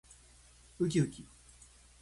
うきうき